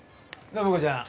暢子ちゃん